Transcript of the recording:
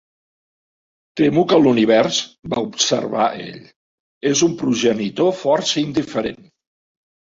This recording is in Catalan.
"Temo que l'univers", va observar ell, "és un progenitor força indiferent".